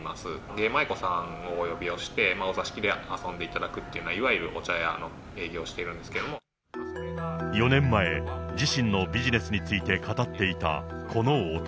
芸舞妓さんをお呼びして、お座敷で遊んでいただくっていう、いわゆるお茶屋を営業してるんで４年前、自身のビジネスについて語っていたこの男。